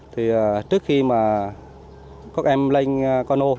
thì trước khi mà các em lên con ô